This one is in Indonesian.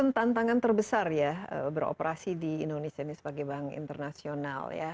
tantangan terbesar ya beroperasi di indonesia ini sebagai bank internasional ya